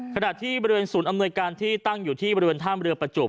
ขณะที่บริเวณศูนย์อำนวยการที่ตั้งอยู่ที่บริเวณท่ามเรือประจวบ